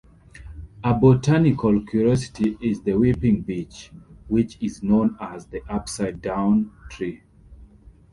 A botanical curiosity is the weeping beech, which is known as "the upside-down tree".